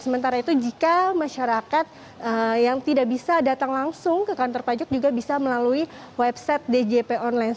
sementara itu jika masyarakat yang tidak bisa datang langsung ke kantor pajak juga bisa melalui website djp online